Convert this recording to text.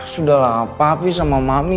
sudahlah papi sama mami